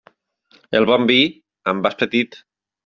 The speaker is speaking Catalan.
El bon vi, en vas petit.